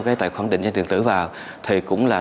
cái tài khoản định danh điện tử vào thì cũng là